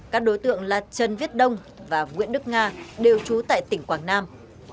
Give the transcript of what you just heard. các đối tượng là trần viết đông và nguyễn đức nga đều trú tại tỉnh quảng nam